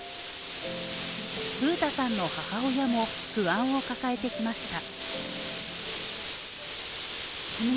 楓太さんの母親も不安を抱えてきました。